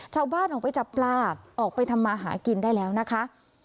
ชาวบ้านออกไปจับปลาออกไปทำมาหากินได้แล้วนะคะ